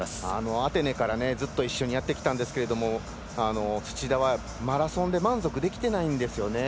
アテネからずっと一緒にやってきたんですけど土田はマラソンで満足できてないんですよね。